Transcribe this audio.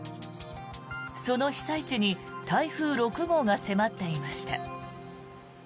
その被災地に台風６号が迫っていました。